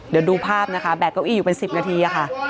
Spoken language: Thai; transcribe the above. เดี๋ยวดูภาพนะคะแบกเก้าอี้อยู่เป็น๑๐นาทีค่ะ